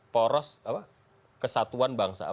poros apa kesatuan bangsa